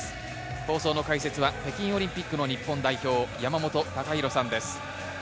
放送の解説は北京オリンピックの日本代表・山本隆弘さんです。